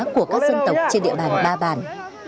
của các dân tộc trên địa bàn ba bản